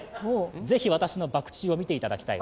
ぜひ、私のバク宙を見ていただきたい。